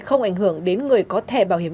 không ảnh hưởng đến người có thẻ bảo hiểm